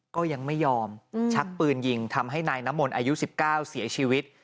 ก็ยังไม่ยอมชักปืนยิงทำให้นายน้ำมนต์อายุ๑๙เสียชีวิต